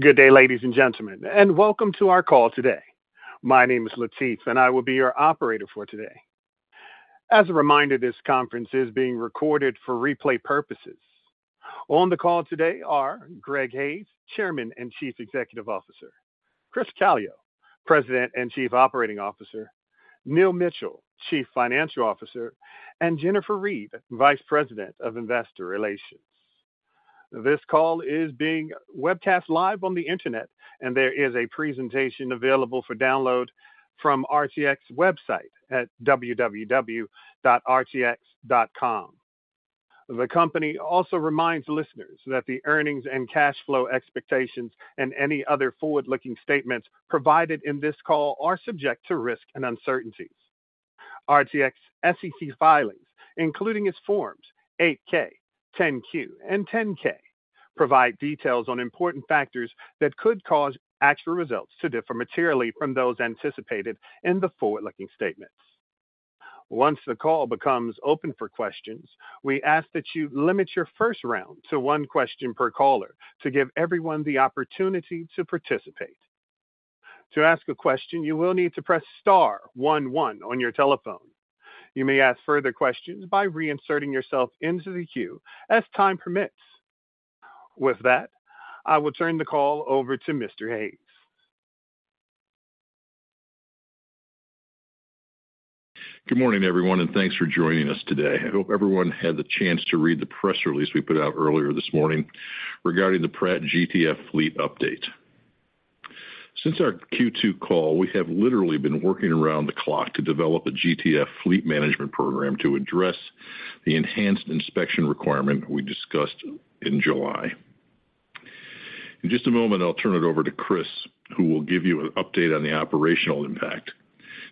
Good day, ladies and gentlemen, and welcome to our call today. My name is Latif, and I will be your operator for today. As a reminder, this conference is being recorded for replay purposes. On the call today are Greg Hayes, Chairman and Chief Executive Officer, Chris Calio, President and Chief Operating Officer, Neil Mitchill, Chief Financial Officer, and Jennifer Reed, Vice President of Investor Relations. This call is being webcast live on the Internet, and there is a presentation available for download from RTX website at www.rtx.com. The company also reminds listeners that the earnings and cash flow expectations and any other forward-looking statements provided in this call are subject to risk and uncertainties. RTX SEC filings, including its forms 8-K, 10-Q, and 10-K, provide details on important factors that could cause actual results to differ materially from those anticipated in the forward-looking statements. Once the call becomes open for questions, we ask that you limit your first round to one question per caller to give everyone the opportunity to participate. To ask a question, you will need to press star one one on your telephone. You may ask further questions by reinserting yourself into the queue as time permits. With that, I will turn the call over to Mr. Hayes. Good morning, everyone, and thanks for joining us today. I hope everyone had the chance to read the press release we put out earlier this morning regarding the Pratt & Whitney GTF fleet update. Since our Q2 call, we have literally been working around the clock to develop a GTF fleet management program to address the enhanced inspection requirement we diskussed in July. In just a moment, I'll turn it over to Chris, who will give you an update on the operational impact.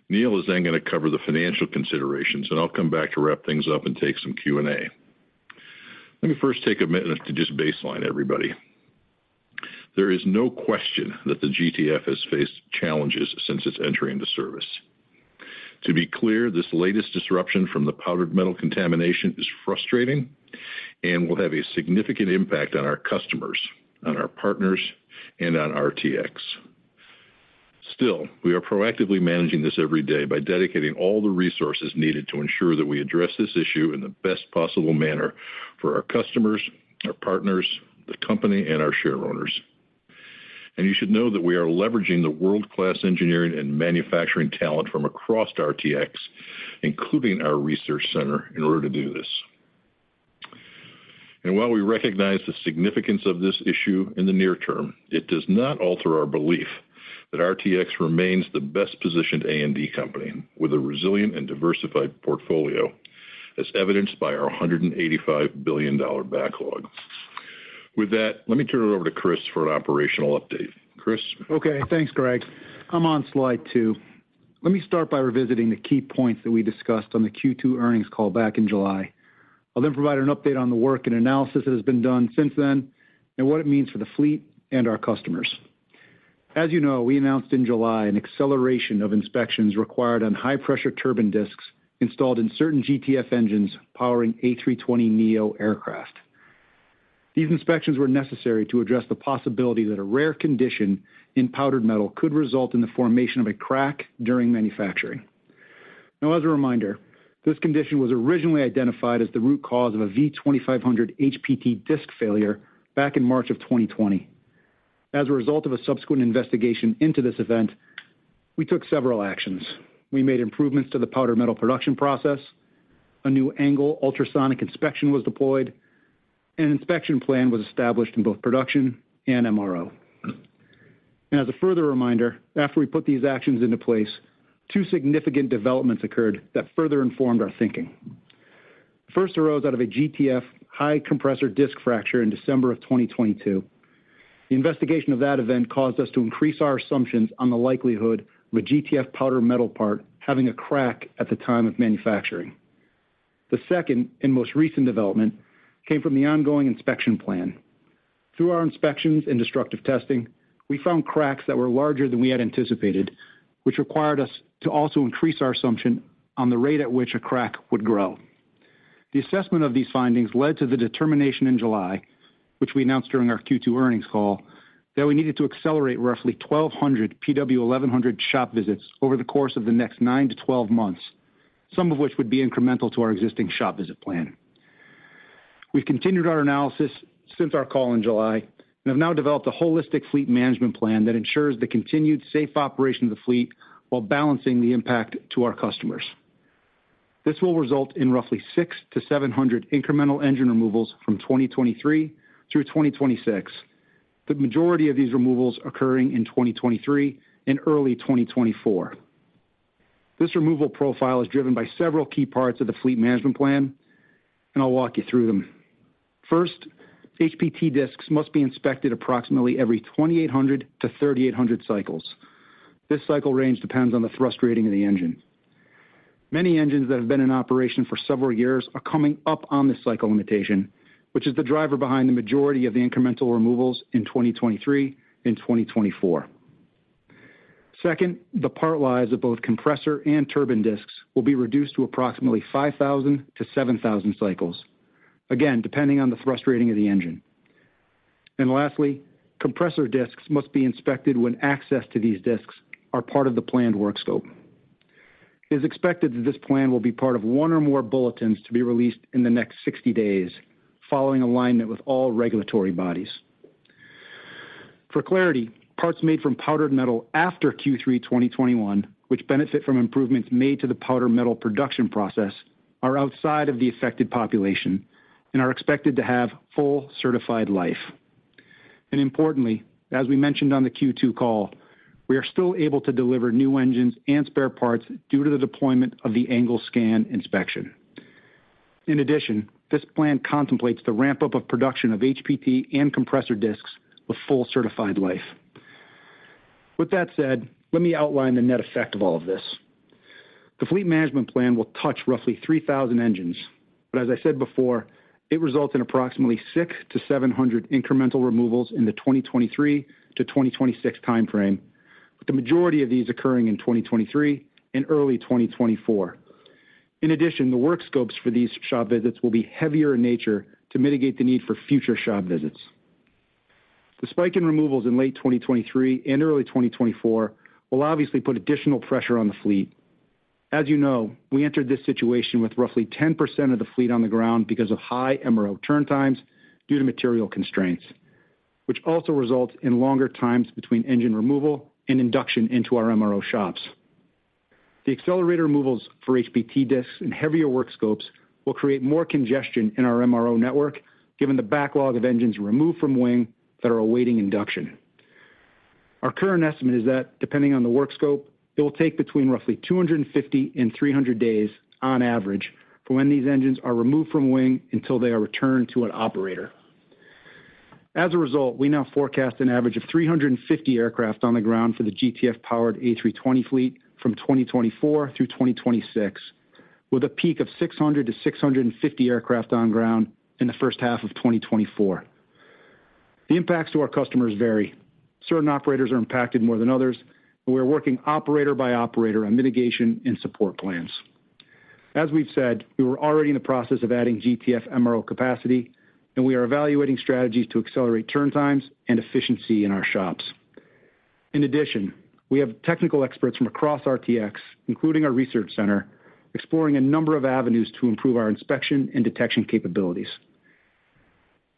Neil is then going to cover the financial considerations, and I'll come back to wrap things up and take some Q&A. Let me first take a minute to just baseline everybody. There is no question that the GTF has faced challenges since its entry into service. To be clear, this latest disruption from the powdered metal contamination is frustrating and will have a significant impact on our customers, on our partners, and on RTX. Still, we are proactively managing this every day by dedicating all the resources needed to ensure that we address this issue in the best possible manner for our customers, our partners, the company, and our shareowners. And you should know that we are leveraging the world-class engineering and manufacturing talent from across RTX, including our research center, in order to do this. And while we recognize the significance of this issue in the near term, it does not alter our belief that RTX remains the best-positioned aerospace and defense company with a resilient and diversified portfolio, as evidenced by our $185 billion backlog. With that, let me turn it over to Chris for an operational update. Chris? Okay, thanks, Greg. I'm on slide two. Let me start by revisiting the key points that we diskussed on the Q2 earnings call back in July. I'll then provide an update on the work and analysis that has been done since then and what it means for the fleet and our customers. As you know, we announced in July an acceleration of inspections required on high-pressure turbine disks installed in certain GTF engines powering A320neo aircraft. These inspections were necessary to address the possibility that a rare condition in powder metal could result in the formation of a crack during manufacturing. Now, as a reminder, this condition was originally identified as the root cause of a V2500 HPT disk failure back in March of 2020. As a result of a subsequent investigation into this event, we took several actions. We made improvements to the powder metal production process. A new angle ultrasonic inspection, was deployed, and an inspection plan was established in both production and MRO. And as a further reminder, after we put these actions into place, two significant developments occurred that further informed our thinking. First arose out of a GTF high compressor disk fracture in December of 2022. The investigation of that event caused us to increase our assumptions on the likelihood of a GTF powder metal part having a crack at the time of manufacturing. The second and most recent development came from the ongoing inspection plan. Through our inspections and destructive testing, we found cracks that were larger than we had anticipated, which required us to also increase our assumption on the rate at which a crack would grow. The assessment of these findings led to the determination in July, which we announced during our Q2 earnings call, that we needed to accelerate roughly 1,200 PW1100 shop visits over the course of the next 9-12 months, some of which would be incremental to our existing shop visit plan. We've continued our analysis since our call in July and have now developed a holistic fleet management plan that ensures the continued safe operation of the fleet while balancing the impact to our customers. This will result in roughly 600-700 incremental engine removals from 2023 through 2026. The majority of these removals occurring in 2023 and early 2024. This removal profile is driven by several key parts of the fleet management plan, and I'll walk you through them. First, HPT disks must be inspected approximately every 2,800-3,800 cycles. This cycle range depends on the thrust rating of the engine. Many engines that have been in operation for several years are coming up on this cycle limitation, which is the driver behind the majority of the incremental removals in 2023 and 2024. Second, the part lives of both compressor and turbine disks will be reduced to approximately 5,000-7,000 cycles, again, depending on the thrust rating of the engine. And lastly, compressor disks must be inspected when access to these disks are part of the planned work scope. It is expected that this plan will be part of one or more bulletins to be released in the next 60 days, following alignment with all regulatory bodies. For clarity, parts made from powdered metal after Q3 2021, which benefit from improvements made to the powder metal production process, are outside of the affected population and are expected to have full certified life. Importantly, as we mentioned on the Q2 call, we are still able to deliver new engines and spare parts due to the deployment of the angle scan inspection. In addition, this plan contemplates the ramp-up of production of HPT and compressor disks with full certified life. With that said, let me outline the net effect of all of this. The fleet management plan will touch roughly 3,000 engines, but as I said before, it results in approximately 600-700 incremental removals in the 2023-2026 time frame, with the majority of these occurring in 2023 and early 2024. In addition, the work scopes for these shop visits will be heavier in nature to mitigate the need for future shop visits. The spike in removals in late 2023 and early 2024 will obviously put additional pressure on the fleet. As you know, we entered this situation with roughly 10% of the fleet on the ground because of high MRO turn times due to material constraints, which also results in longer times between engine removal and induction into our MRO shops. The accelerator removals for HPT disks and heavier work scopes will create more congestion in our MRO network, given the backlog of engines removed from wing that are awaiting induction. Our current estimate is that, depending on the work scope, it will take between roughly 250 and 300 days on average, for when these engines are removed from wing until they are returned to an operator. As a result, we now forecast an average of 350 aircraft on the ground for the GTF-powered A320 fleet from 2024 through 2026, with a peak of 600-650 aircraft on ground in the first half of 2024. The impacts to our customers vary. Certain operators are impacted more than others, and we're working operator by operator on mitigation and support plans. As we've said, we were already in the process of adding GTF MRO capacity, and we are evaluating strategies to accelerate turn times and efficiency in our shops. In addition, we have technical experts from across RTX, including our research center, exploring a number of avenues to improve our inspection and detection capabilities.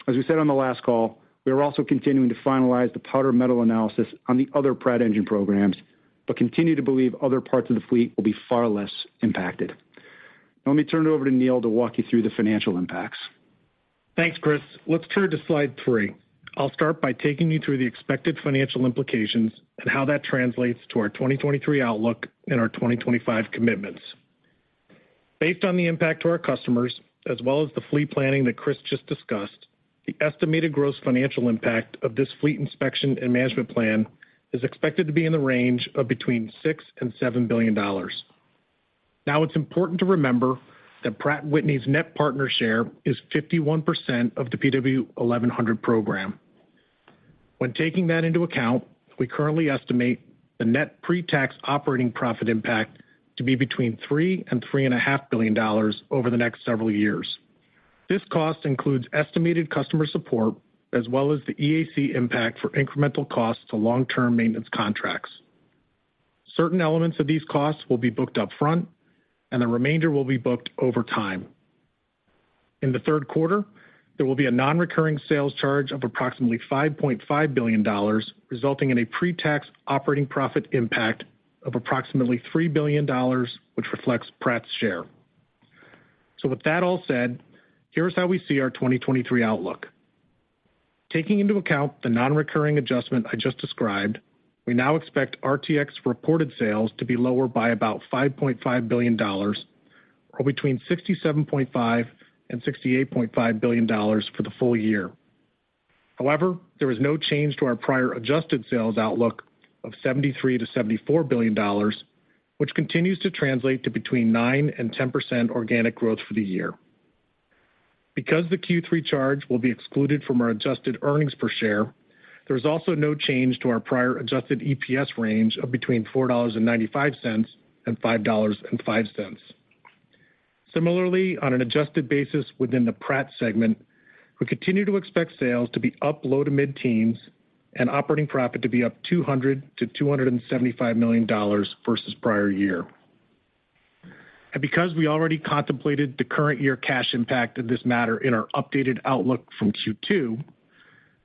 As we said on the last call, we are also continuing to finalize the powder metal analysis on the other Pratt engine programs, but continue to believe other parts of the fleet will be far less impacted. Now, let me turn it over to Neil to walk you through the financial impacts. Thanks, Chris. Let's turn to slide three. I'll start by taking you through the expected financial implications and how that translates to our 2023 outlook and our 2025 commitments. Based on the impact to our customers, as well as the fleet planning that Chris just diskussed, the estimated gross financial impact of this fleet inspection and management plan is expected to be in the range of between $6 billion and $7 billion. Now, it's important to remember that Pratt & Whitney's net partner share is 51% of the PW1100 program. When taking that into account, we currently estimate the net pre-tax operating profit impact to be between $3 billion and $3.5 billion over the next several years. This cost includes estimated customer support, as well as the EAC impact for incremental costs to long-term maintenance contracts. Certain elements of these costs will be booked up front, and the remainder will be booked over time. In the third quarter, there will be a non-recurring sales charge of approximately $5.5 billion, resulting in a pre-tax operating profit impact of approximately $3 billion, which reflects Pratt's share. So with that all said, here's how we see our 2023 outlook. Taking into account the non-recurring adjustment I just described, we now expect RTX reported sales to be lower by about $5.5 billion, or between $67.5 billion and $68.5 billion for the full year. However, there is no change to our prior adjusted sales outlook of $73 billion-$74 billion, which continues to translate to between 9% and 10% organic growth for the year. Because the Q3 charge will be excluded from our adjusted earnings per share, there is also no change to our prior adjusted EPS range of between $4.95 and $5.05. Similarly, on an adjusted basis within the Pratt segment, we continue to expect sales to be up low to mid-teens and operating profit to be up $200 million-$275 million versus prior year. And because we already contemplated the current year cash impact of this matter in our updated outlook from Q2,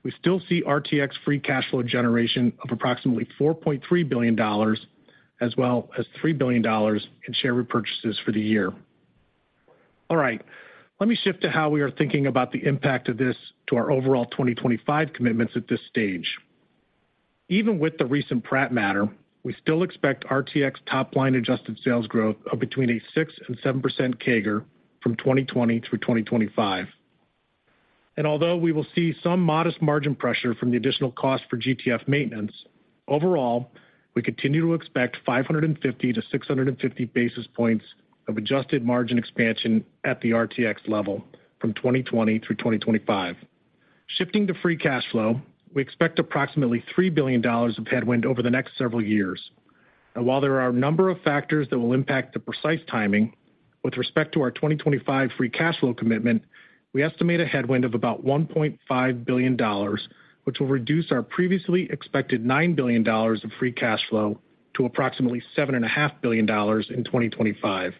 we still see RTX free cash flow generation of approximately $4.3 billion, as well as $3 billion in share repurchases for the year. All right, let me shift to how we are thinking about the impact of this to our overall 2025 commitments at this stage. Even with the recent Pratt matter, we still expect RTX top-line adjusted sales growth of between 6% and 7% CAGR from 2020 through 2025. And although we will see some modest margin pressure from the additional cost for GTF maintenance, overall, we continue to expect 550-650 basis points of adjusted margin expansion at the RTX level from 2020 through 2025. ...Shifting to free cash flow, we expect approximately $3 billion of headwind over the next several years. And while there are a number of factors that will impact the precise timing, with respect to our 2025 free cash flow commitment, we estimate a headwind of about $1.5 billion, which will reduce our previously expected $9 billion of free cash flow to approximately $7.5 billion in 2025.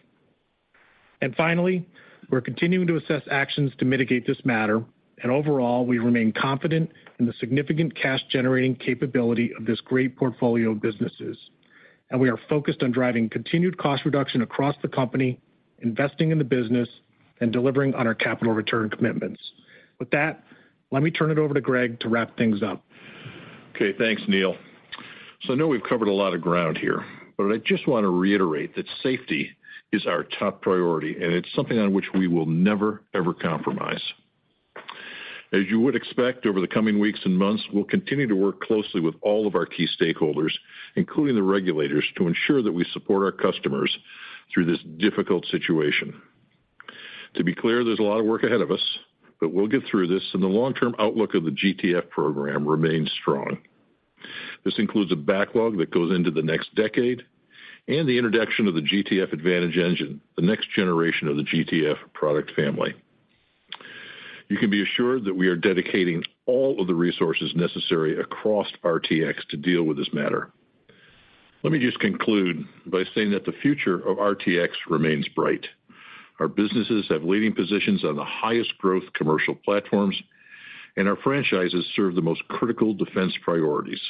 And finally, we're continuing to assess actions to mitigate this matter, and overall, we remain confident in the significant cash-generating capability of this great portfolio of businesses. And we are focused on driving continued cost reduction across the company, investing in the business, and delivering on our capital return commitments. With that, let me turn it over to Greg to wrap things up. Okay, thanks, Neil. So I know we've covered a lot of ground here, but I just want to reiterate that safety is our top priority, and it's something on which we will never, ever compromise. As you would expect, over the coming weeks and months, we'll continue to work closely with all of our key stakeholders, including the regulators, to ensure that we support our customers through this difficult situation. To be clear, there's a lot of work ahead of us, but we'll get through this, and the long-term outlook of the GTF program remains strong. This includes a backlog that goes into the next decade and the introduction of the GTF Advantage engine, the next generation of the GTF product family. You can be assured that we are dedicating all of the resources necessary across RTX to deal with this matter. Let me just conclude by saying that the future of RTX remains bright. Our businesses have leading positions on the highest growth commercial platforms, and our franchises serve the most critical defense priorities.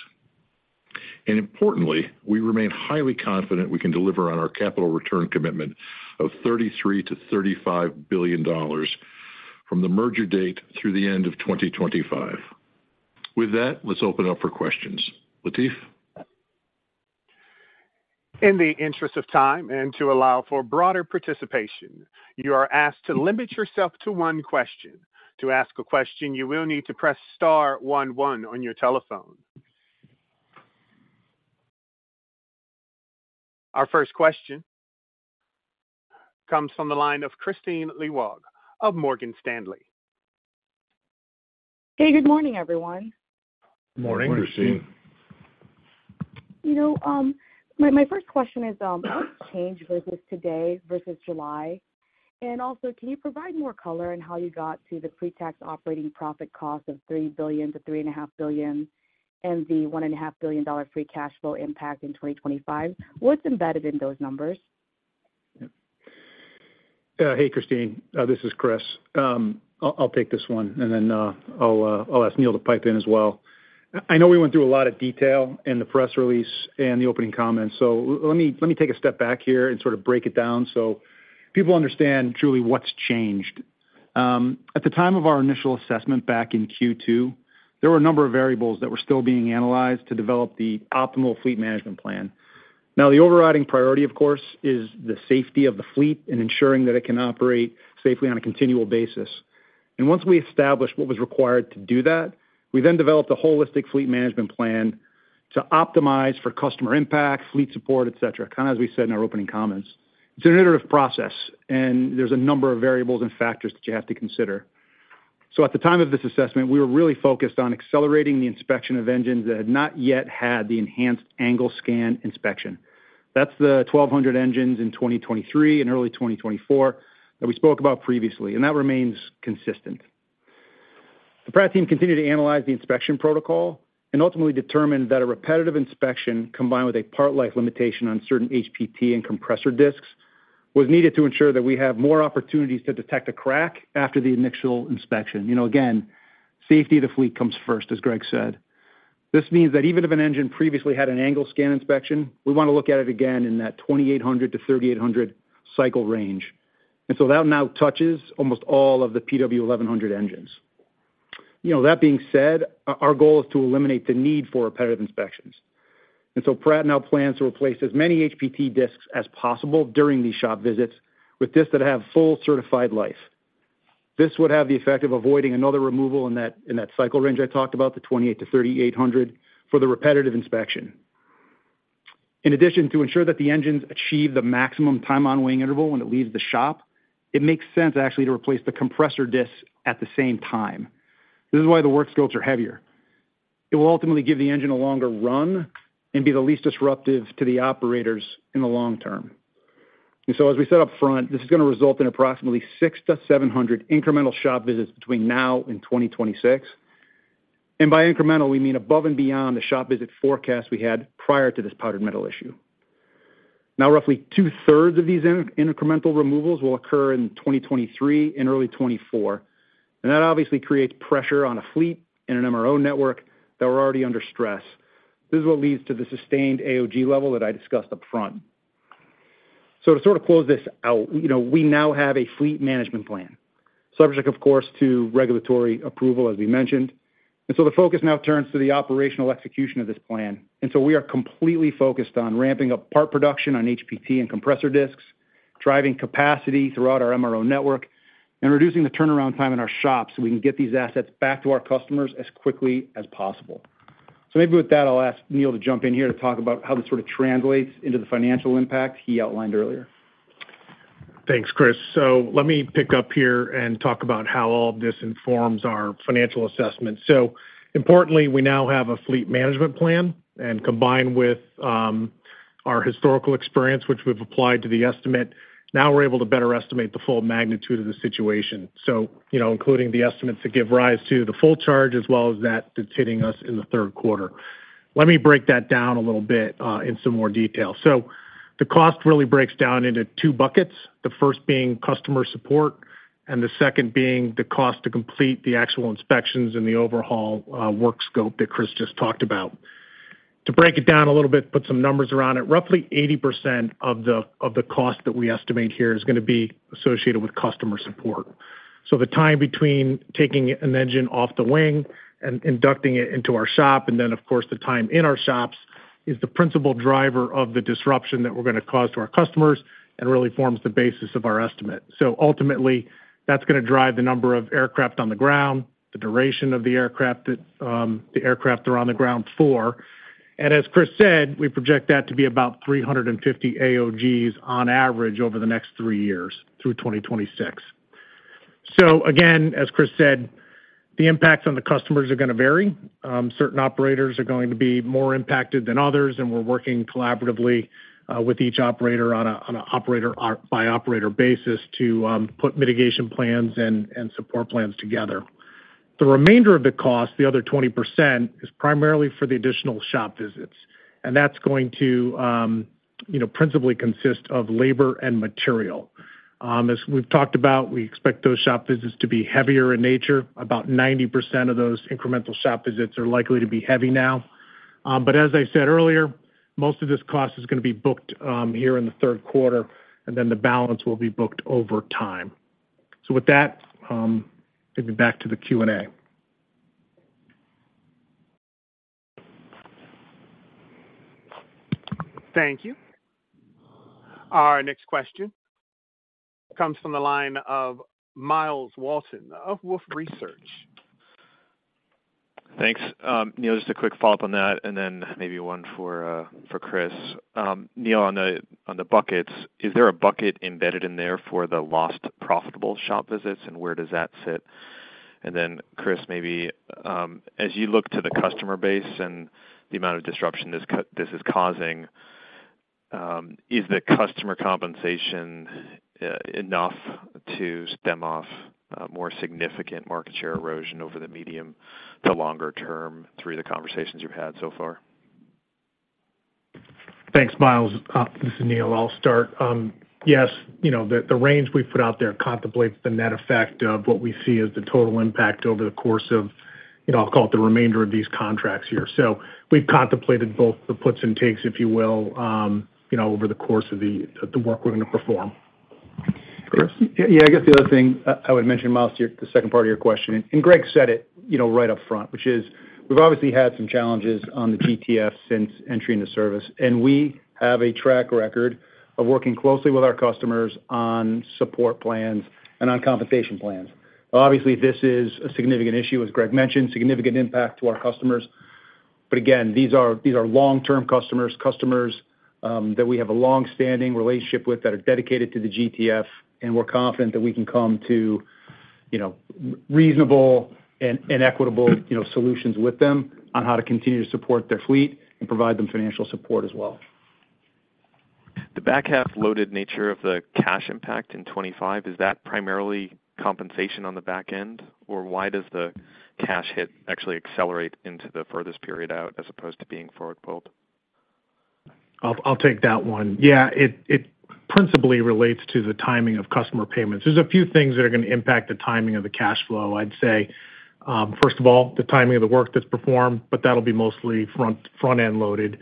Importantly, we remain highly confident we can deliver on our capital return commitment of $33 billion-$35 billion from the merger date through the end of 2025. With that, let's open up for questions. Latif? In the interest of time and to allow for broader participation, you are asked to limit yourself to one question. To ask a question, you will need to press star one, one on your telephone. Our first question comes from the line of Kristine Liwag of Morgan Stanley. Hey, good morning, everyone. Morning, Kristine. Morning. You know, my, my first question is, what's changed versus today versus July? And also, can you provide more color on how you got to the pretax operating profit cost of $3 billion-$3.5 billion and the $1.5 billion dollar free cash flow impact in 2025? What's embedded in those numbers? Hey, Kristine, this is Chris. I'll take this one, and then I'll ask Neil to pipe in as well. I know we went through a lot of detail in the press release and the opening comments, so let me take a step back here and sort of break it down so people understand truly what's changed. At the time of our initial assessment back in Q2, there were a number of variables that were still being analyzed to develop the optimal fleet management plan. Now, the overriding priority, of course, is the safety of the fleet and ensuring that it can operate safely on a continual basis. Once we established what was required to do that, we then developed a holistic fleet management plan to optimize for customer impact, fleet support, et cetera. Kind of as we said in our opening comments, it's an iterative process, and there's a number of variables and factors that you have to consider. So at the time of this assessment, we were really focused on accelerating the inspection of engines that had not yet had the enhanced angle scan inspection. That's the 1,200 engines in 2023 and early 2024 that we spoke about previously, and that remains consistent. The Pratt team continued to analyze the inspection protocol and ultimately determined that a repetitive inspection, combined with a part life limitation on certain HPT and compressor disks, was needed to ensure that we have more opportunities to detect a crack after the initial inspection. You know, again, safety of the fleet comes first, as Greg said. This means that even if an engine previously had an angle scan inspection, we want to look at it again in that 2800-3800 cycle range. And so that now touches almost all of the PW1100 engines. You know, that being said, our goal is to eliminate the need for repetitive inspections, and so Pratt now plans to replace as many HPT disks as possible during these shop visits with disks that have full certified life. This would have the effect of avoiding another removal in that, in that cycle range I talked about, the 2800-3800, for the repetitive inspection. In addition, to ensure that the engines achieve the maximum time on wing interval when it leaves the shop, it makes sense, actually, to replace the compressor disks at the same time. This is why the work scopes are heavier. It will ultimately give the engine a longer run and be the least disruptive to the operators in the long term. So as we said up front, this is going to result in approximately 600-700 incremental shop visits between now and 2026, and by incremental, we mean above and beyond the shop visit forecast we had prior to this powder metal issue. Now, roughly two-thirds of these incremental removals will occur in 2023 and early 2024, and that obviously creates pressure on a fleet and an MRO network that were already under stress. This is what leads to the sustained AOG level that I discussed up front. To sort of close this out, you know, we now have a fleet management plan, subject, of course, to regulatory approval, as we mentioned. The focus now turns to the operational execution of this plan. We are completely focused on ramping up part production on HPT and compressor disks, driving capacity throughout our MRO network, and reducing the turnaround time in our shops, so we can get these assets back to our customers as quickly as possible. Maybe with that, I'll ask Neil to jump in here to talk about how this sort of translates into the financial impact he outlined earlier.... Thanks, Chris. So let me pick up here and talk about how all of this informs our financial assessment. So importantly, we now have a fleet management plan, and combined with our historical experience, which we've applied to the estimate, now we're able to better estimate the full magnitude of the situation. So, you know, including the estimates that give rise to the full charge, as well as that that's hitting us in the third quarter. Let me break that down a little bit in some more detail. So the cost really breaks down into two buckets, the first being customer support, and the second being the cost to complete the actual inspections and the overhaul work scope that Chris just talked about. To break it down a little bit, put some numbers around it, roughly 80% of the cost that we estimate here is gonna be associated with customer support. So the time between taking an engine off the wing and inducting it into our shop, and then, of course, the time in our shops, is the principal driver of the disruption that we're gonna cause to our customers and really forms the basis of our estimate. So ultimately, that's gonna drive the number of aircraft on the ground, the duration of the aircraft that the aircraft are on the ground for. And as Chris said, we project that to be about 350 AOGs on average over the next three years through 2026. So again, as Chris said, the impacts on the customers are gonna vary. Certain operators are going to be more impacted than others, and we're working collaboratively with each operator by operator basis to put mitigation plans and support plans together. The remainder of the cost, the other 20%, is primarily for the additional shop visits, and that's going to, you know, principally consist of labor and material. As we've talked about, we expect those shop visits to be heavier in nature. About 90% of those incremental shop visits are likely to be heavy now. But as I said earlier, most of this cost is gonna be booked here in the third quarter, and then the balance will be booked over time. So with that, take it back to the Q&A. Thank you. Our next question comes from the line of Myles Walton of Wolfe Research. Thanks. Neil, just a quick follow-up on that, and then maybe one for Chris. Neil, on the buckets, is there a bucket embedded in there for the lost profitable shop visits, and where does that sit? And then, Chris, maybe, as you look to the customer base and the amount of disruption this is causing, is the customer compensation enough to stem off more significant market share erosion over the medium to longer term through the conversations you've had so far? Thanks, Myles. This is Neil. I'll start. Yes, you know, the range we've put out there contemplates the net effect of what we see as the total impact over the course of, you know, I'll call it the remainder of these contracts here. So we've contemplated both the puts and takes, if you will, you know, over the course of the work we're going to perform. Chris? Yeah, I guess the other thing I would mention, Myles, to your—the second part of your question, and Greg said it, you know, right up front, which is we've obviously had some challenges on the GTF since entering the service, and we have a track record of working closely with our customers on support plans and on compensation plans. Obviously, this is a significant issue, as Greg mentioned, significant impact to our customers. But again, these are long-term customers that we have a long-standing relationship with, that are dedicated to the GTF, and we're confident that we can come to, you know, reasonable and equitable, you know, solutions with them on how to continue to support their fleet and provide them financial support as well. The back-half-loaded nature of the cash impact in 2025, is that primarily compensation on the back end, or why does the cash hit actually accelerate into the furthest period out as opposed to being forward-pulled? I'll take that one. Yeah, it principally relates to the timing of customer payments. There's a few things that are gonna impact the timing of the cash flow. I'd say, first of all, the timing of the work that's performed, but that'll be mostly front-end loaded.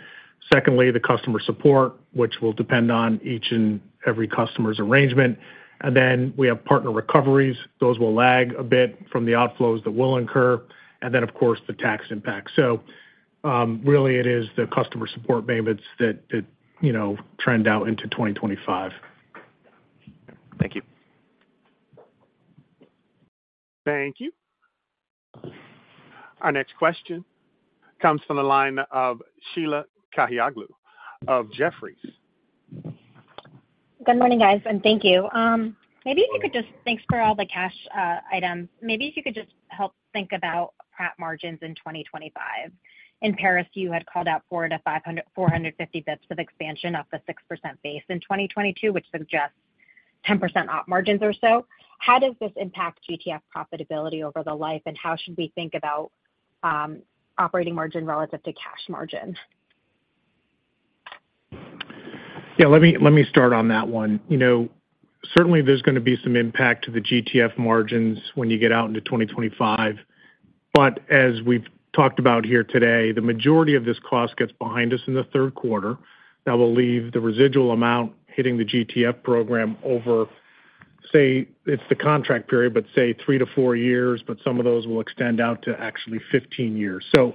Secondly, the customer support, which will depend on each and every customer's arrangement. And then we have partner recoveries. Those will lag a bit from the outflows that we'll incur, and then, of course, the tax impact. So, really it is the customer support payments that, you know, trend out into 2025. Thank you. Thank you. Our next question comes from the line of Sheila Kahyaoglu of Jefferies. Good morning, guys, and thank you. Maybe if you could just, thanks for all the cash items. Maybe if you could just help think about Pratt margins in 2025. In Paris, you had called out forward 450 basis points of expansion off the 6% base in 2022, which suggests 10% op margins or so. How does this impact GTF profitability over the life, and how should we think about operating margin relative to cash margin? Yeah, let me, let me start on that one. You know, certainly there's gonna be some impact to the GTF margins when you get out into 2025, but as we've talked about here today, the majority of this cost gets behind us in the third quarter. That will leave the residual amount hitting the GTF program over, say, it's the contract period, but say, 3-4 years, but some of those will extend out to actually 15 years. So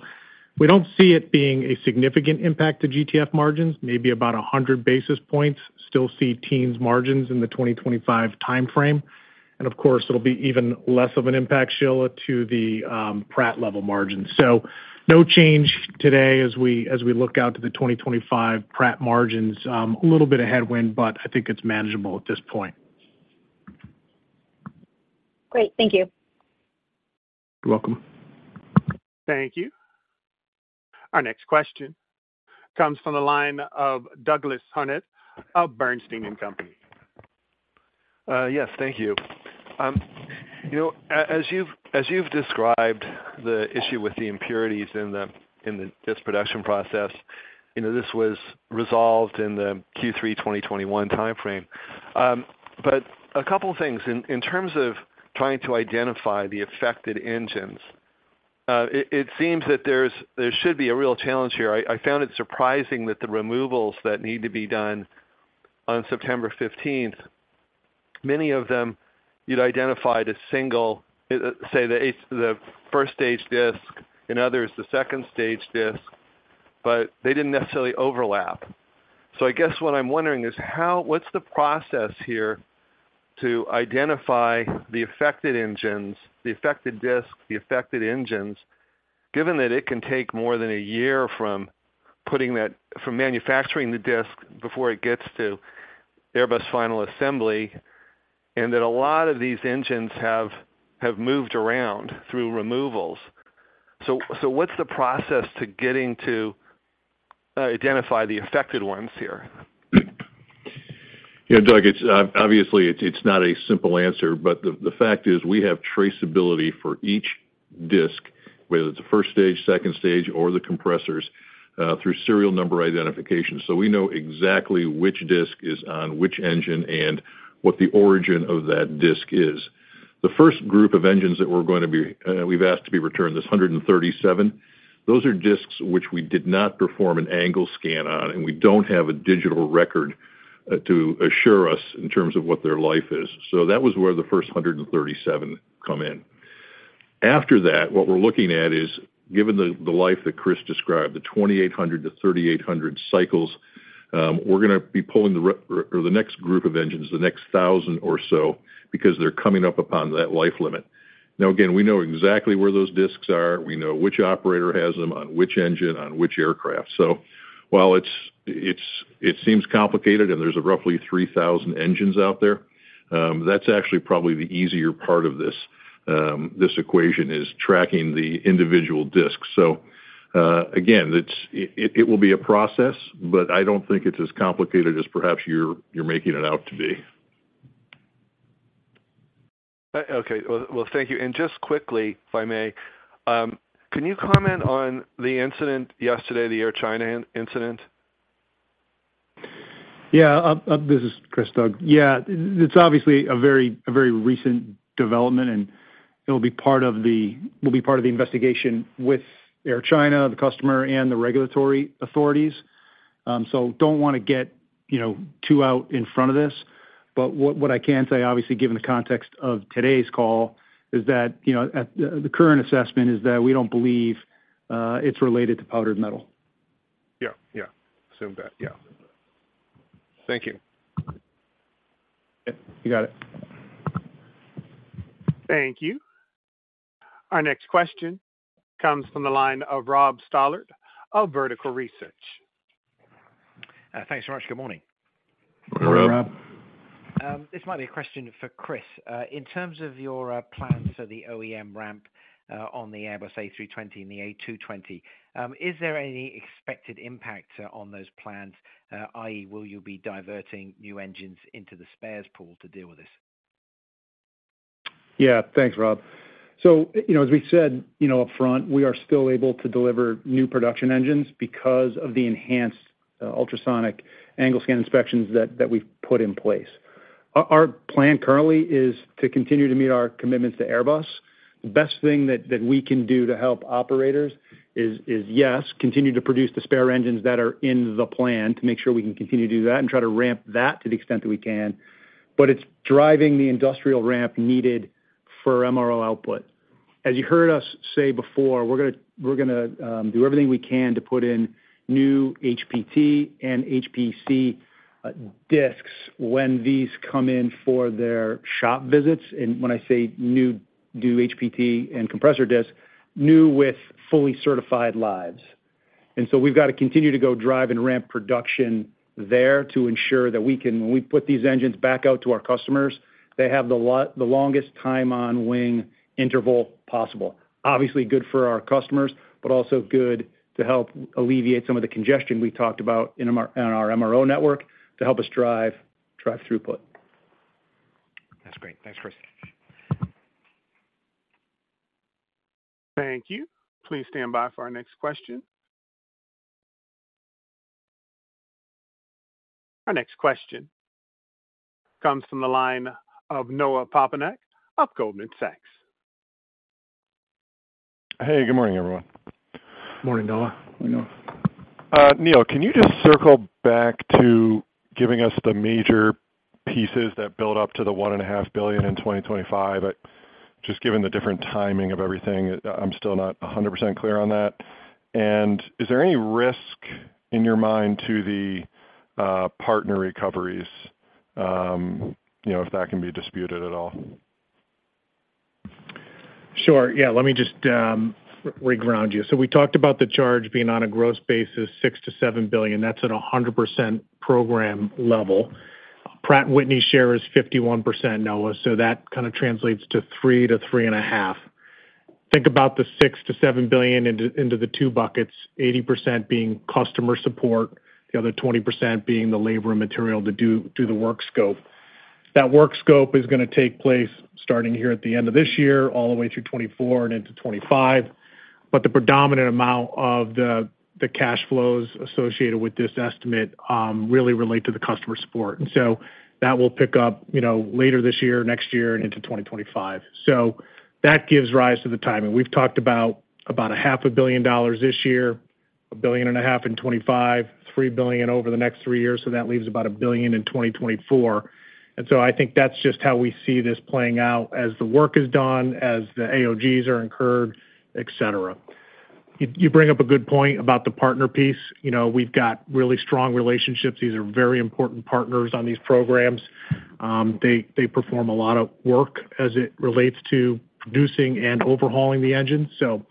we don't see it being a significant impact to GTF margins, maybe about 100 basis points, still see teens margins in the 2025 timeframe. And of course, it'll be even less of an impact, Sheila, to the, Pratt level margins. So no change today as we, as we look out to the 2025 Pratt margins. A little bit of headwind, but I think it's manageable at this point.... Great. Thank you. You're welcome. Thank you. Our next question comes from the line of Douglas Harned of Bernstein & Company. Yes, thank you. You know, as you've described the issue with the impurities in the production process, you know, this was resolved in the Q3 2021 timeframe. But a couple of things. In terms of trying to identify the affected engines, it seems that there should be a real challenge here. I found it surprising that the removals that need to be done on September 15th, many of them you'd identified as single, say, the first stage disk, in others, the second stage disk, but they didn't necessarily overlap. So I guess what I'm wondering is how—what's the process here to identify the affected engines, the affected disks, the affected engines, given that it can take more than a year from putting that, from manufacturing the disk before it gets to Airbus final assembly, and that a lot of these engines have, have moved around through removals. So, so what's the process to getting to identify the affected ones here? You know, Doug, it's obviously it's not a simple answer, but the fact is we have traceability for each disk, whether it's a first stage, second stage, or the compressors through serial number identification. So we know exactly which disk is on which engine and what the origin of that disk is. The first group of engines that we're going to be, we've asked to be returned, this 137, those are disks which we did not perform an angle scan on, and we don't have a digital record to assure us in terms of what their life is. So that was where the first 137 come in. After that, what we're looking at is, given the life that Chris described, the 2,800-3,800 cycles, we're gonna be pulling the next group of engines, the next 1,000 or so, because they're coming up upon that life limit. Now, again, we know exactly where those disks are. We know which operator has them, on which engine, on which aircraft. So while it's, it's... It seems complicated and there's roughly 3,000 engines out there, that's actually probably the easier part of this equation, is tracking the individual disks. So, again, it will be a process, but I don't think it's as complicated as perhaps you're making it out to be. Okay. Well, thank you. Just quickly, if I may, can you comment on the incident yesterday, the Air China incident? Yeah, this is Chris, Doug. Yeah, it's obviously a very recent development, and it will be part of the investigation with Air China, the customer, and the regulatory authorities. So don't wanna get, you know, too out in front of this. But what I can say, obviously, given the context of today's call, is that, you know, the current assessment is that we don't believe it's related to powder metal. Yeah. Yeah, assumed that. Yeah. Thank you. Yep, you got it. Thank you. Our next question comes from the line of Rob Stallard of Vertical Research. Thanks so much. Good morning. Morning, Rob. Rob. This might be a question for Chris. In terms of your plans for the OEM ramp on the Airbus A320 and the A220, is there any expected impact on those plans? I.e., will you be diverting new engines into the spares pool to deal with this? Yeah. Thanks, Rob. So, you know, as we said, you know, upfront, we are still able to deliver new production engines because of the enhanced Ultrasonic Angle Scan inspections that we've put in place. Our plan currently is to continue to meet our commitments to Airbus. The best thing that we can do to help operators is, yes, continue to produce the spare engines that are in the plan to make sure we can continue to do that and try to ramp that to the extent that we can. But it's driving the industrial ramp needed for MRO output. As you heard us say before, we're gonna do everything we can to put in new HPT and HPC disks when these come in for their shop visits. When I say new, new HPT and compressor disks, new with fully certified lives. So we've got to continue to go drive and ramp production there to ensure that we can, when we put these engines back out to our customers, they have the longest time on wing interval possible. Obviously, good for our customers, but also good to help alleviate some of the congestion we talked about in our, on our MRO network to help us drive, drive throughput. That's great. Thanks, Chris. Thank you. Please stand by for our next question. Our next question comes from the line of Noah Poponak of Goldman Sachs. Hey, good morning, everyone. Morning, Noah. Morning, Noah. Neil, can you just circle back to giving us the major pieces that build up to the $1.5 billion in 2025? Just given the different timing of everything, I'm still not 100% clear on that. Is there any risk in your mind to the partner recoveries, you know, if that can be disputed at all?... Sure. Yeah, let me just re-ground you. So we talked about the charge being on a gross basis, $6 billion-$7 billion. That's at a 100% program level. Pratt & Whitney share is 51%, Noah, so that kind of translates to $3 billion-$3.5 billion. Think about the $6 billion-$7 billion into the two buckets, 80% being customer support, the other 20% being the labor and material to do the work scope. That work scope is gonna take place starting here at the end of this year, all the way through 2024 and into 2025. But the predominant amount of the cash flows associated with this estimate really relate to the customer support. And so that will pick up, you know, later this year, next year, and into 2025. So that gives rise to the timing. We've talked about a half a billion dollars this year, $1.5 billion in 2025, $3 billion over the next three years, so that leaves about $1 billion in 2024. So I think that's just how we see this playing out as the work is done, as the AOGs are incurred, et cetera. You bring up a good point about the partner piece. You know, we've got really strong relationships. These are very important partners on these programs. They perform a lot of work as it relates to producing and overhauling the engine. So,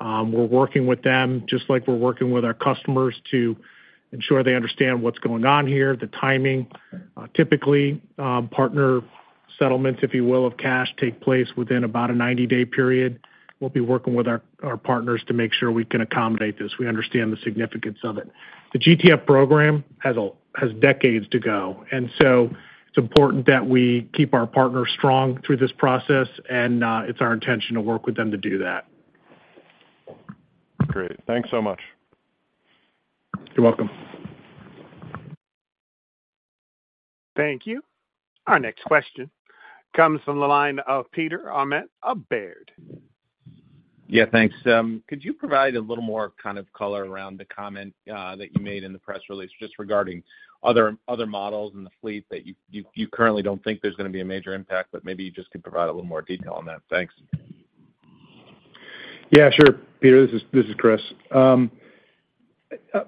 we're working with them, just like we're working with our customers, to ensure they understand what's going on here, the timing. Typically, partner settlements, if you will, of cash, take place within about a 90-day period. We'll be working with our partners to make sure we can accommodate this. We understand the significance of it. The GTF program has decades to go, and so it's important that we keep our partners strong through this process, and it's our intention to work with them to do that. Great. Thanks so much. You're welcome. Thank you. Our next question comes from the line of Peter Arment of Baird. Yeah, thanks. Could you provide a little more kind of color around the comment that you made in the press release just regarding other models in the fleet that you currently don't think there's gonna be a major impact, but maybe you just could provide a little more detail on that? Thanks. Yeah, sure, Peter. This is Chris.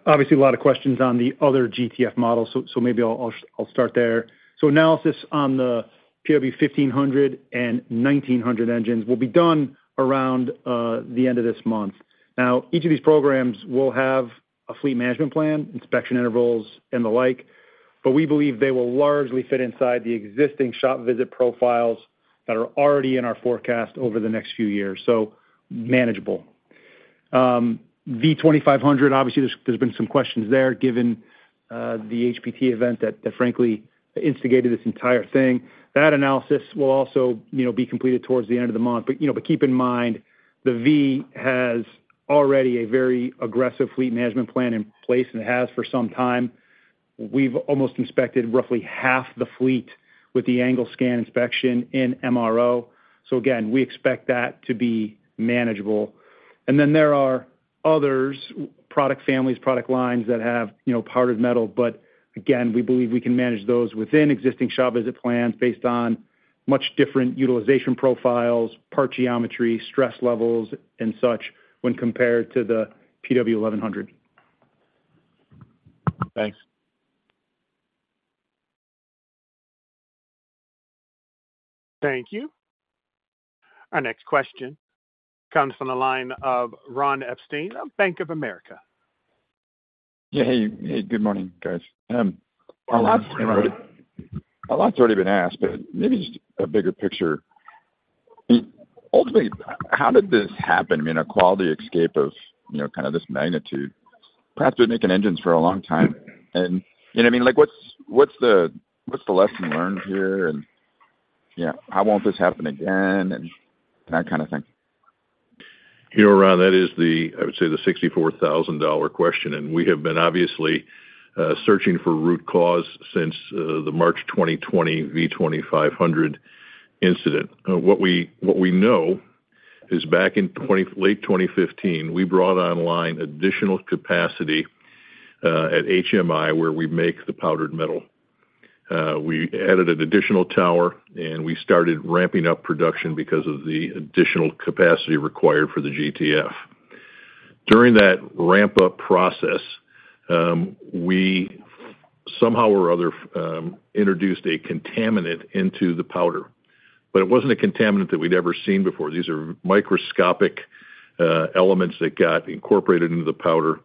Obviously, a lot of questions on the other GTF models, so maybe I'll start there. So analysis on the PW1500 and 1900 engines will be done around the end of this month. Now, each of these programs will have a fleet management plan, inspection intervals, and the like, but we believe they will largely fit inside the existing shop visit profiles that are already in our forecast over the next few years, so manageable. V2500, obviously, there's been some questions there, given the HPT event that frankly instigated this entire thing. That analysis will also, you know, be completed towards the end of the month. But keep in mind, the V has already a very aggressive fleet management plan in place, and it has for some time. We've almost inspected roughly half the fleet with the angle scan inspection in MRO. So again, we expect that to be manageable. And then there are others, product families, product lines that have, you know, powdered metal, but again, we believe we can manage those within existing shop visit plans based on much different utilization profiles, part geometry, stress levels, and such when compared to the PW1100. Thanks. Thank you. Our next question comes from the line of Ron Epstein of Bank of America. Yeah, hey. Hey, good morning, guys. A lot's already been asked, but maybe just a bigger picture. Ultimately, how did this happen? I mean, a quality escape of, you know, kind of this magnitude. Perhaps we've been making engines for a long time, and, you know what I mean? Like, what's the lesson learned here? And, yeah, how won't this happen again, and that kind of thing. You know, Ron, that is the... I would say, the $64,000 question, and we have been obviously, searching for root cause since, the March 2020, V2500 incident. What we, what we know is back in twenty-- late 2015, we brought online additional capacity, at HMI, where we make the powder metal. We added an additional tower, and we started ramping up production because of the additional capacity required for the GTF. During that ramp-up process, we somehow or other, introduced a contaminant into the powder, but it wasn't a contaminant that we'd ever seen before. These are microscopic, elements that got incorporated into the powder,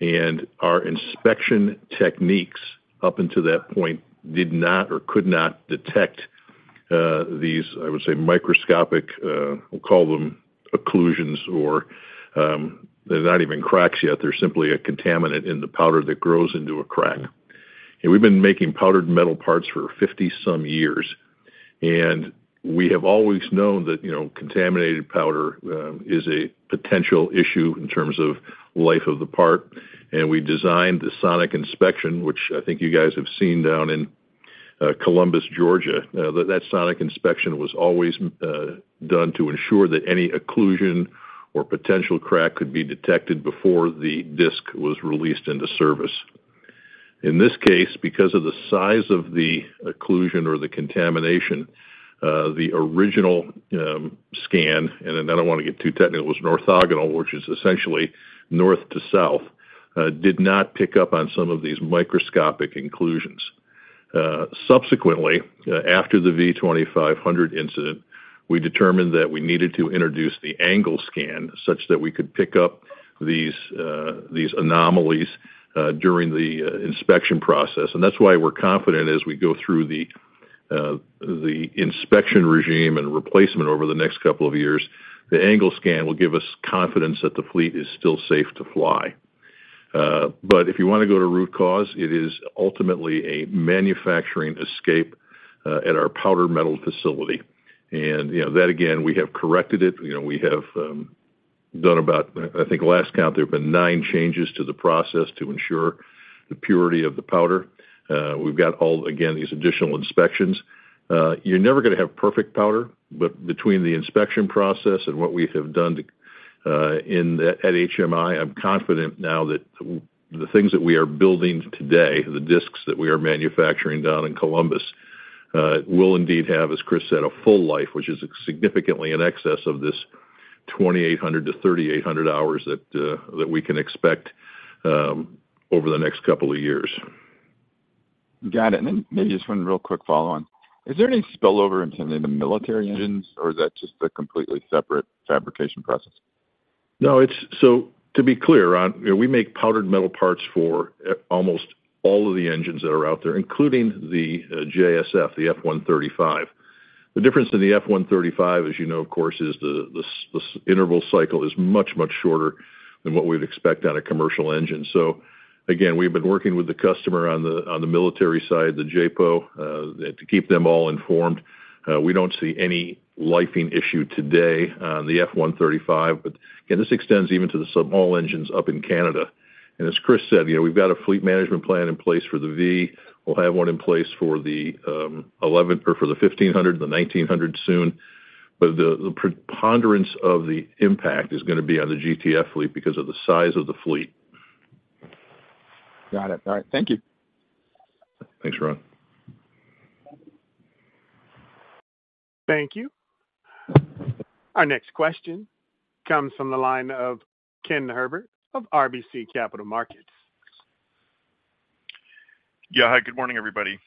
and our inspection techniques, up until that point, did not or could not detect, these, I would say, microscopic, we'll call them occlusions or, they're not even cracks yet. They're simply a contaminant in the powder that grows into a crack. We've been making powder metal parts for 50 some years, and we have always known that, you know, contaminated powder is a potential issue in terms of life of the part, and we designed the sonic inspection, which I think you guys have seen down in Columbus, Georgia. That sonic inspection was always done to ensure that any occlusion or potential crack could be detected before the disk was released into service. In this case, because of the size of the occlusion or the contamination, the original scan, and I don't want to get too technical, it was an orthogonal, which is essentially north to south, did not pick up on some of these microscopic inclusions.... Subsequently, after the V2500 incident, we determined that we needed to introduce the angle scan such that we could pick up these anomalies during the inspection process. And that's why we're confident as we go through the inspection regime and replacement over the next couple of years, the angle scan will give us confidence that the fleet is still safe to fly. But if you wanna go to root cause, it is ultimately a manufacturing escape at our powder metal facility. And, you know, that, again, we have corrected it. You know, we have done about, I think last count, there have been nine changes to the process to ensure the purity of the powder. We've got all, again, these additional inspections. You're never gonna have perfect powder, but between the inspection process and what we have done in at HMI, I'm confident now that the things that we are building today, the disks that we are manufacturing down in Columbus, will indeed have, as Chris said, a full life, which is significantly in excess of this 2,800-3,800 hours that we can expect over the next couple of years. Got it. And then maybe just one real quick follow-on. Is there any spillover into any of the military engines, or is that just a completely separate fabrication process? No, it's so to be clear, Ron, you know, we make powdered metal parts for almost all of the engines that are out there, including the JSF, the F135. The difference in the F135, as you know, of course, is the interval cycle is much, much shorter than what we'd expect on a commercial engine. So again, we've been working with the customer on the military side, the JPO, to keep them all informed. We don't see any lifing issue today on the F135, but, again, this extends even to the sub all engines up in Canada. And as Chris said, you know, we've got a fleet management plan in place for the V. We'll have one in place for the 1100 or for the 1500, the 1900 soon. But the preponderance of the impact is gonna be on the GTF fleet because of the size of the fleet. Got it. All right, thank you. Thanks, Ron. Thank you. Our next question comes from the line of Ken Herbert of RBC Capital Markets. Yeah, hi, good morning, everybody.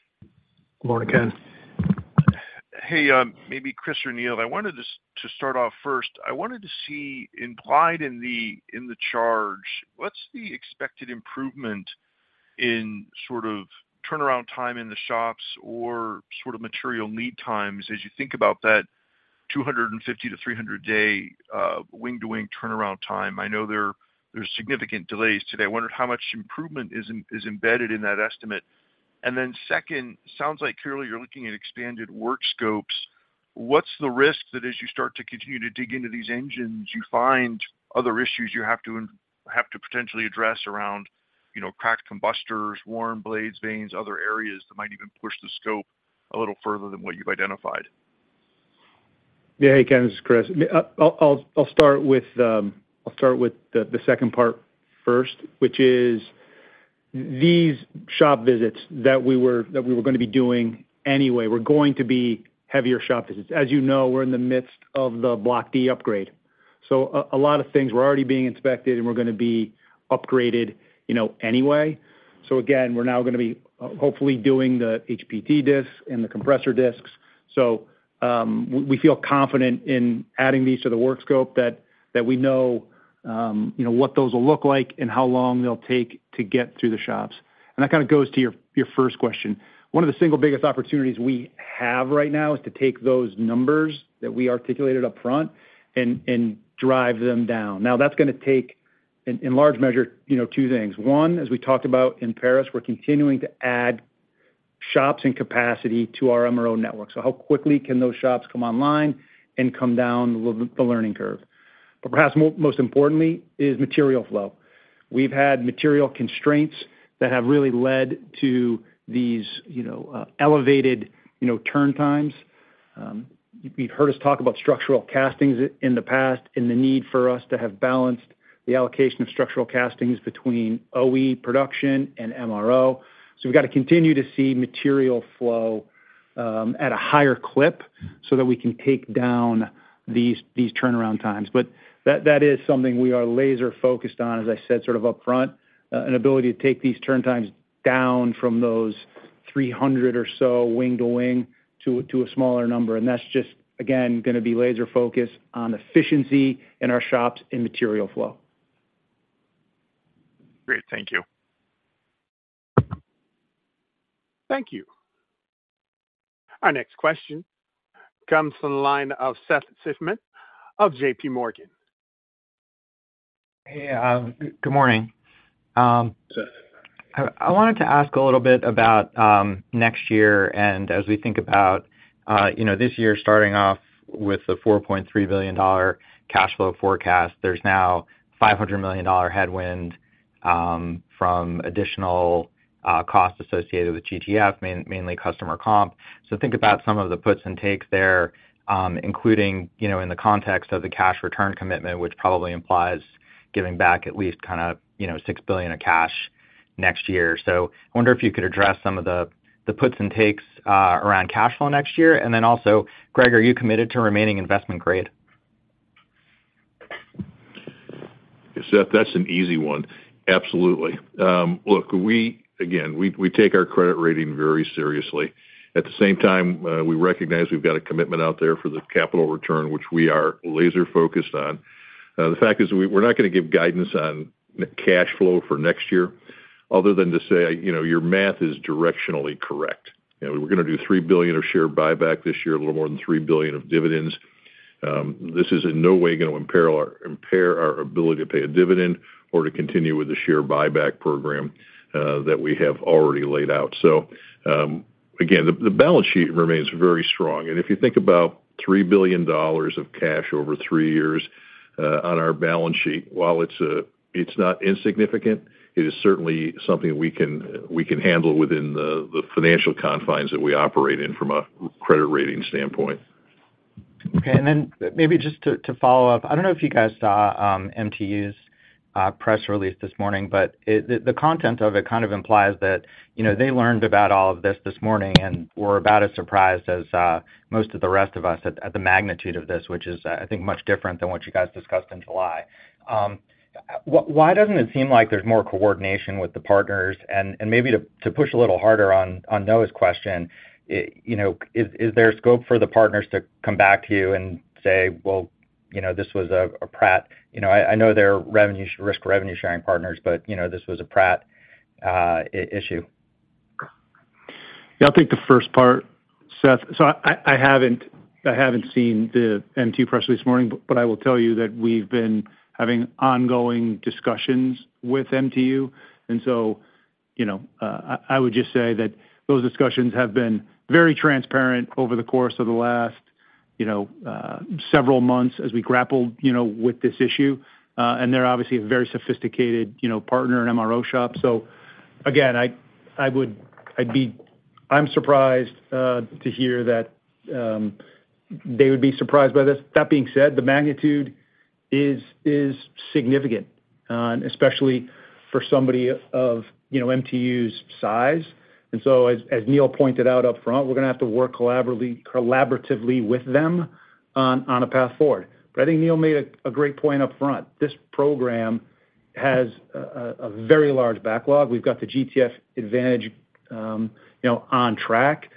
Good morning, Ken. Hey, maybe Chris or Neil, I wanted to start off first. I wanted to see implied in the charge, what's the expected improvement in sort of turnaround time in the shops or sort of material lead times as you think about that 250-300 day wing-to-wing turnaround time? I know there's significant delays today. I wondered how much improvement is embedded in that estimate. And then second, sounds like clearly you're looking at expanded work scopes. What's the risk that as you start to continue to dig into these engines, you find other issues you have to potentially address around, you know, cracked combustors, worn blades, vanes, other areas that might even push the scope a little further than what you've identified? Yeah, hey, Ken, this is Chris. I'll start with the second part first, which is these shop visits that we were gonna be doing anyway, were going to be heavier shop visits. As you know, we're in the midst of the Block D upgrade, so a lot of things were already being inspected and were gonna be upgraded, you know, anyway. So again, we're now gonna be hopefully doing the HPT disks and the compressor disks. We feel confident in adding these to the work scope that we know, you know, what those will look like and how long they'll take to get through the shops. And that kind of goes to your first question. One of the single biggest opportunities we have right now is to take those numbers that we articulated upfront and drive them down. Now, that's gonna take, in large measure, you know, two things. One, as we talked about in Paris, we're continuing to add shops and capacity to our MRO network. So how quickly can those shops come online and come down the learning curve? But perhaps most importantly, is material flow. We've had material constraints that have really led to these, you know, elevated, you know, turn times. You've heard us talk about structural castings in the past and the need for us to have balanced the allocation of structural castings between OE production and MRO. So we've got to continue to see material flow at a higher clip so that we can take down these turnaround times. But that is something we are laser-focused on, as I said, sort of upfront, an ability to take these turn times down from those 300 or so wing-to-wing to a smaller number. And that's just, again, gonna be laser focused on efficiency in our shops and material flow. Great. Thank you. Thank you. Our next question comes from the line of Seth Seifman of J.P. Morgan. Hey, good morning. Seth. I wanted to ask a little bit about next year, and as we think about, you know, this year, starting off with the $4.3 billion cash flow forecast, there's now $500 million headwind from additional costs associated with GTF, mainly customer comp. So think about some of the puts and takes there, including, you know, in the context of the cash return commitment, which probably implies giving back at least kind of, you know, $6 billion of cash next year. So I wonder if you could address some of the puts and takes around cash flow next year. And then also, Greg, are you committed to remaining investment grade?... Seth, that's an easy one. Absolutely. Look, we again take our credit rating very seriously. At the same time, we recognize we've got a commitment out there for the capital return, which we are laser focused on. The fact is, we're not gonna give guidance on cash flow for next year, other than to say, you know, your math is directionally correct. And we're gonna do $3 billion of share buyback this year, a little more than $3 billion of dividends. This is in no way gonna impair our ability to pay a dividend or to continue with the share buyback program, that we have already laid out. So, again, the balance sheet remains very strong. If you think about $3 billion of cash over 3 years on our balance sheet, while it's not insignificant, it is certainly something we can handle within the financial confines that we operate in from a credit rating standpoint. Okay, and then maybe just to follow up, I don't know if you guys saw MTU's press release this morning, but the content of it kind of implies that, you know, they learned about all of this this morning, and were about as surprised as most of the rest of us at the magnitude of this, which is, I think, much different than what you guys diskussed in July. Why doesn't it seem like there's more coordination with the partners? And maybe to push a little harder on Noah's question, you know, is there scope for the partners to come back to you and say, "Well, you know, this was a Pratt?" You know, I know they're revenue-risk revenue sharing partners, but you know, this was a Pratt issue. Yeah, I'll take the first part, Seth. So I haven't seen the MTU press release this morning, but I will tell you that we've been having ongoing diskussions with MTU. And so, you know, I would just say that those diskussions have been very transparent over the course of the last, you know, several months as we grappled, you know, with this issue. And they're obviously a very sophisticated, you know, partner and MRO shop. So again, I would-- I'd be-- I'm surprised to hear that they would be surprised by this. That being said, the magnitude is significant, and especially for somebody of, you know, MTU's size. And so as Neil pointed out up front, we're gonna have to work collaboratively with them on a path forward. But I think Neil made a great point up front. This program has a very large backlog. We've got the GTF Advantage, you know, on track,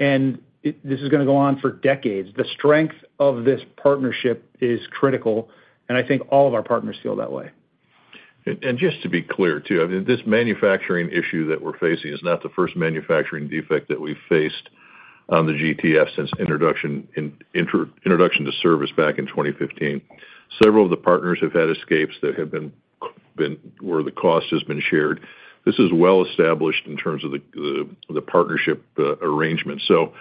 and this is gonna go on for decades. The strength of this partnership is critical, and I think all of our partners feel that way. Just to be clear, too, I mean, this manufacturing issue that we're facing is not the first manufacturing defect that we've faced on the GTF since introduction to service back in 2015. Several of the partners have had escapes that have been where the cost has been shared. This is well established in terms of the partnership arrangement. So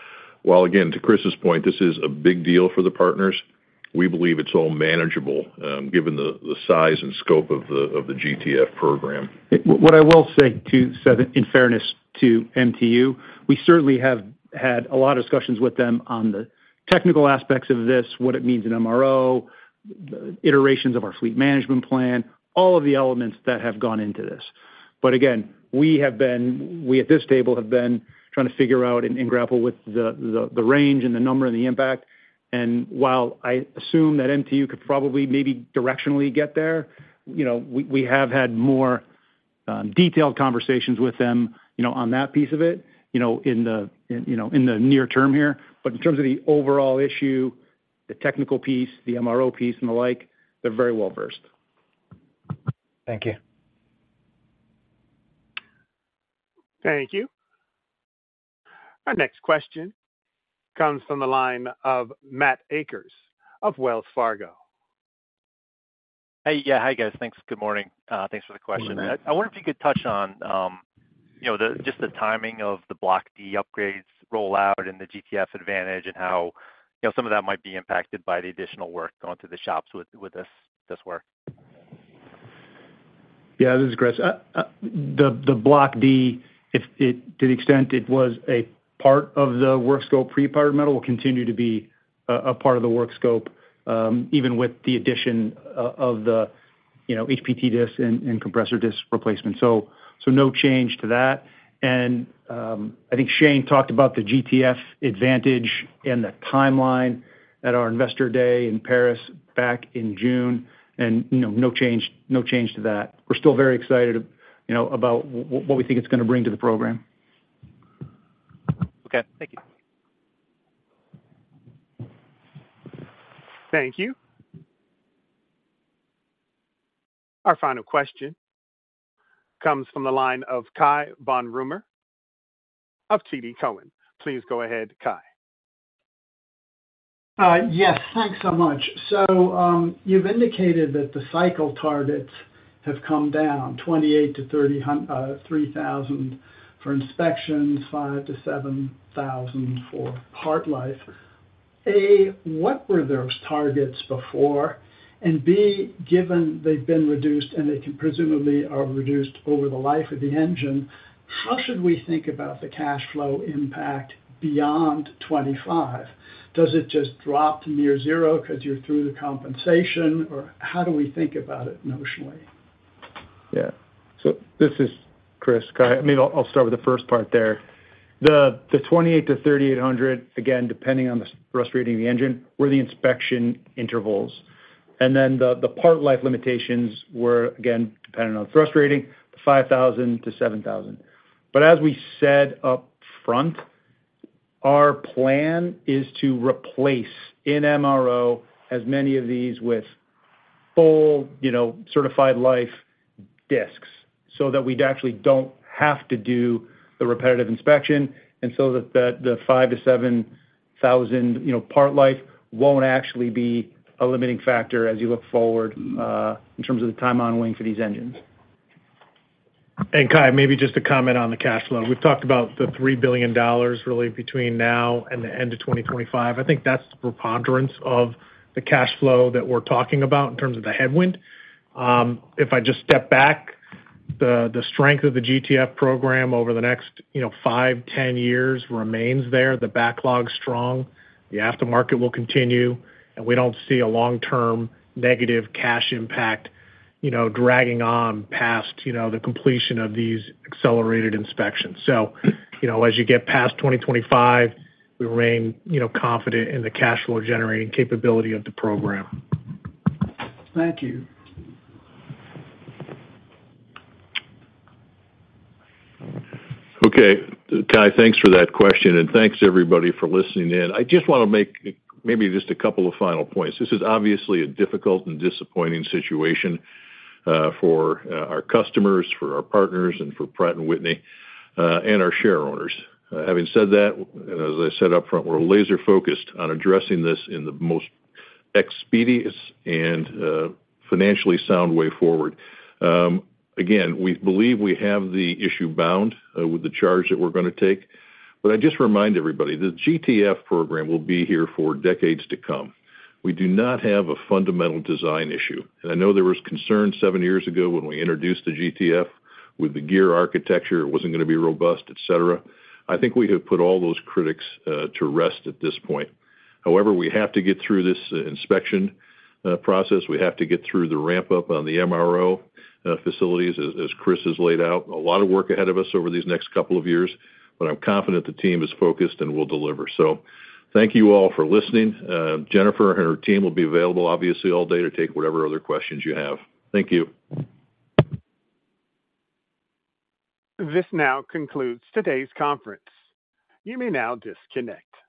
while, again, to Chris's point, this is a big deal for the partners, we believe it's all manageable, given the size and scope of the GTF program. What I will say, too, Seth, in fairness to MTU, we certainly have had a lot of discussions with them on the technical aspects of this, what it means in MRO, iterations of our fleet management plan, all of the elements that have gone into this. But again, we have been, we at this table, have been trying to figure out and grapple with the range and the number and the impact. And while I assume that MTU could probably, maybe directionally get there, you know, we have had more detailed conversations with them, you know, on that piece of it, you know, in the near term here. But in terms of the overall issue, the technical piece, the MRO piece, and the like, they're very well versed. Thank you. Thank you. Our next question comes from the line of Matt Akers of Wells Fargo. Hey, yeah, hi, guys. Thanks. Good morning. Thanks for the question. Good morning. I wonder if you could touch on, you know, just the timing of the Block D upgrades rollout and the GTF Advantage, and how, you know, some of that might be impacted by the additional work going to the shops with this work. Yeah, this is Chris. The Block D, if, to the extent it was a part of the work scope, powder metal, will continue to be a part of the work scope, even with the addition of the, you know, HPT disk and compressor disk replacement. So no change to that. And I think Shane talked about the GTF Advantage and the timeline at our Investor Day in Paris back in June, and, you know, no change, no change to that. We're still very excited, you know, about what we think it's gonna bring to the program. Okay, thank you. Thank you. Our final question comes from the line of Cai von Rumohr of TD Cowen. Please go ahead, Cai. Yes, thanks so much. So, you've indicated that the cycle targets have come down 2800-3,000 for inspections, 5,000-7,000 for part life. A, what were those targets before? And B, given they've been reduced and they can presumably are reduced over the life of the engine, how should we think about the cash flow impact beyond 25? Does it just drop to near zero because you're through the compensation, or how do we think about it notionally?... Yeah. So this is Chris. Cai, maybe I'll start with the first part there. The 2800-3800, again, depending on the thrust rating of the engine, were the inspection intervals. And then the part life limitations were, again, depending on the thrust rating, 5,000-7,000. But as we said upfront, our plan is to replace in MRO as many of these with full, you know, certified life disks, so that we'd actually don't have to do the repetitive inspection, and so that the 5,000-7,000, you know, part life won't actually be a limiting factor as you look forward in terms of the time on wing for these engines. Cai, maybe just to comment on the cash flow. We've talked about the $3 billion really between now and the end of 2025. I think that's the preponderance of the cash flow that we're talking about in terms of the headwind. If I just step back, the, the strength of the GTF program over the next, you know, 5, 10 years remains there. The backlog's strong, the aftermarket will continue, and we don't see a long-term negative cash impact, you know, dragging on past, you know, the completion of these accelerated inspections. So, you know, as you get past 2025, we remain, you know, confident in the cash flow generating capability of the program. Thank you. Okay, Cai, thanks for that question, and thanks everybody for listening in. I just want to make maybe just a couple of final points. This is obviously a difficult and disappointing situation for our customers, for our partners, and for Pratt & Whitney and our shareowners. Having said that, and as I said up front, we're laser focused on addressing this in the most expeditious and financially sound way forward. Again, we believe we have the issue bound with the charge that we're going to take. But I just remind everybody, the GTF program will be here for decades to come. We do not have a fundamental design issue, and I know there was concern seven years ago when we introduced the GTF with the gear architecture, it wasn't going to be robust, et cetera. I think we have put all those critics to rest at this point. However, we have to get through this inspection process. We have to get through the ramp-up on the MRO facilities, as Chris has laid out. A lot of work ahead of us over these next couple of years, but I'm confident the team is focused and will deliver. So thank you all for listening. Jennifer and her team will be available, obviously, all day to take whatever other questions you have. Thank you. This now concludes today's conference. You may now disconnect.